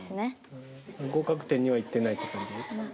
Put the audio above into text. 合格点にはいってないって感じ？